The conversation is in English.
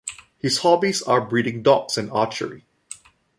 His hobbies are breeding dogs and archery.